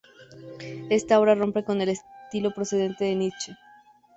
Esta obra rompe con el estilo precedente de Nietzsche.